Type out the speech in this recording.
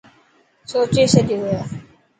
سوچي ڇڏيو هي.